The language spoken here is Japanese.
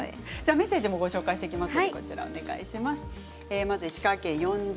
メッセージもご紹介します。